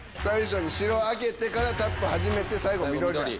最初に白開けてからタップ始めて最後緑や。